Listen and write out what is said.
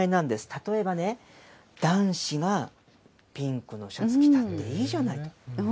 例えばね、男子がピンクのシャツ着たっていいじゃないか。